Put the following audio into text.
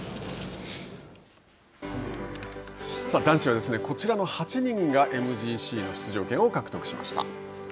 男子はこちらの８人がＭＧＣの出場権を獲得しました。